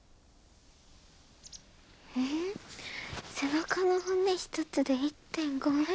背中の骨一つで１．５ｍ。